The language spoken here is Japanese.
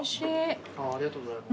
ありがとうございます。